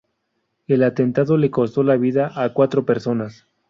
El atentado le costó la vida a cuatro personas.